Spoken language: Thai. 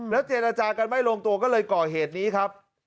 แล้วเจนอาจารย์กันไม่ลงตัวก็เลยก่อเหตุนี้ครับ